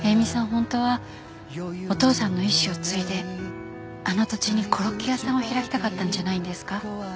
本当はお父さんの遺志を継いであの土地にコロッケ屋さんを開きたかったんじゃないんですか？